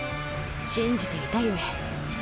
信じていたゆえ。